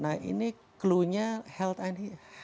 nah ini klunya health and hygiene